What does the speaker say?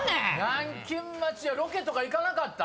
南京町はロケとか行かなかった？